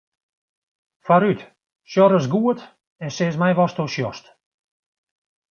Foarút, sjoch ris goed en sis my watsto sjochst.